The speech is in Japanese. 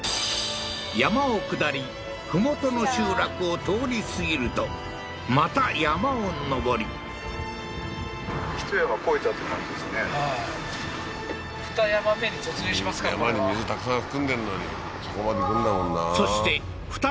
山を下り麓の集落を通り過ぎるとまた山を上りはい山に水たくさん含んでんのにそこまで行くんだもんな